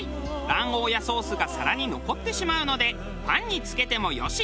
卵黄やソースが皿に残ってしまうのでパンにつけても良し。